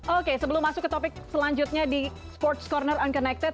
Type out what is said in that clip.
oke sebelum masuk ke topik selanjutnya di sports corner unconnected